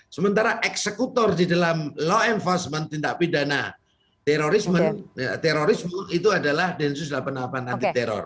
sementara eksekutor di dalam law enforcement tindak pidana terorisme terorisme itu adalah densus delapan puluh delapan anti teror